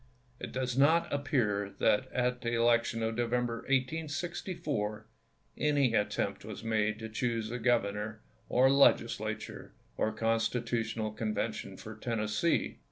^'^^' It does not appear that at the election of Novem ber, 1864, any attempt was made to choose a gov ernor, or legislatui^e, or constitutional convention for Tennessee.